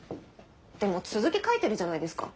でも続き書いてるじゃないですか。